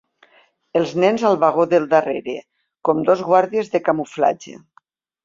Els nens al vagó del darrere, com dos guàrdies de camuflatge.